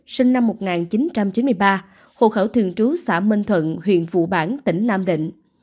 sinh năm một nghìn chín trăm chín mươi ba hộ khẩu thường trú xã minh thuận huyện vụ bản tỉnh nam định